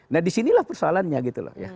nah di sinilah persoalannya gitu loh ya